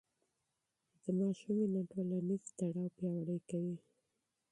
د ماشوم مینه ټولنیز تړاو پیاوړی کوي.